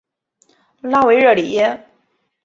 拉维热里耶。